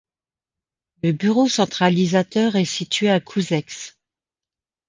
Le bureau centralisateur est situé à Couzeix.